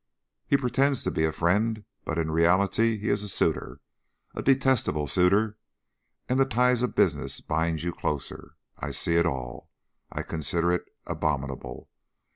"He pretends to be a friend, but in reality he is a suitor a detestable suitor and the ties of business bind you closer! I see it all. I I consider it abominable."